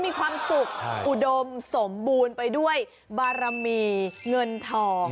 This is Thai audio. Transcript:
มีความสุขอุดมสมบูรณ์ไปด้วยบารมีเงินทอง